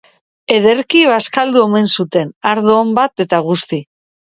Ederki bazkaldu omen zuten, ardo on bat eta guzti.